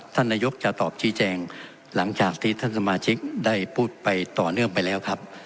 ท่านนายกจะตอบชี้แจงหลังจากที่ท่านสมาชิกได้พูดไปต่อเนื่องไปแล้วครับ